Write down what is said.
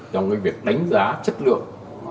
trong việc đánh giá chất lượng